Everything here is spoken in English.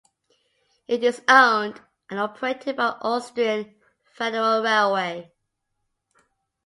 It is owned and operated by the Austrian Federal Railway.